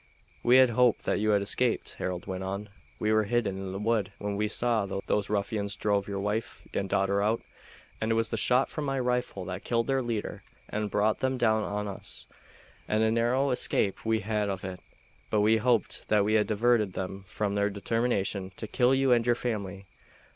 "We had hoped that you had escaped," Harold went on. "We were hidden in the wood when we saw those ruffians drive your wife and daughter out, and it was the shot from my rifle that killed their leader and brought them down on us; and a narrow escape we had of it; but we hoped that we had diverted them from their determination to kill you and your family."